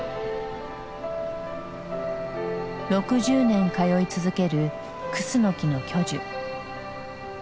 ６０年通い続けるクスノキの巨樹。